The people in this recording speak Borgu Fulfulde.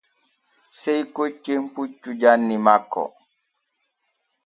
Sey koccen puccu janni makko.